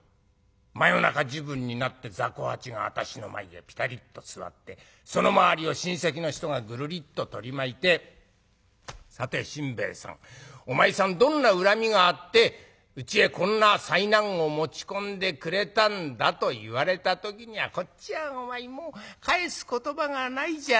真夜中時分になってざこ八が私の前でぴたりっと座ってその周りを親戚の人がぐるりっと取り巻いて『さて新兵衛さんお前さんどんな恨みがあってうちへこんな災難を持ち込んでくれたんだ』と言われた時にはこっちはお前もう返す言葉がないじゃないか。